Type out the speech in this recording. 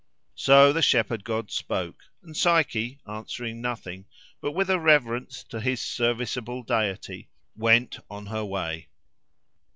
So the shepherd god spoke, and Psyche, answering nothing, but with a reverence to his serviceable deity, went on her way.